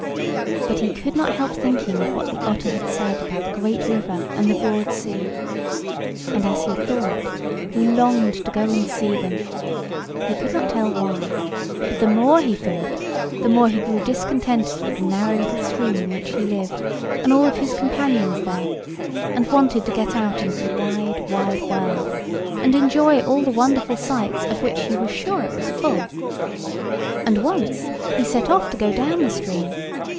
But he could not help thinking of what the otter had said about the great river and the broad sea. And, as he thought, he longed to go and see them. He could not tell why; but the more he thought, the more he grew discontented with the narrow little stream in which he lived, and all his companions there; and wanted to get out into the wide wide world, and enjoy all the wonderful sights of which he was sure it was full. And once he set off to go down the stream.